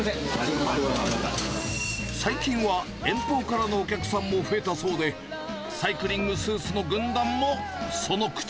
最近は、遠方からのお客さんも増えたそうで、サイクリングスーツの軍団もその口。